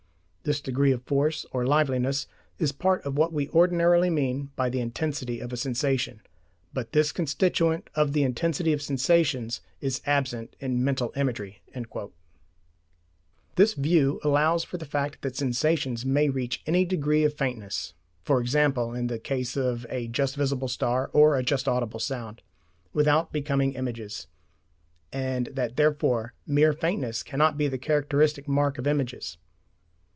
This degree of force or liveliness is part of what we ordinarily mean by the intensity of a sensation. But this constituent of the intensity of sensations is absent in mental imagery"(p. 419). This view allows for the fact that sensations may reach any degree of faintness e.g. in the case of a just visible star or a just audible sound without becoming images, and that therefore mere faintness cannot be the characteristic mark of images.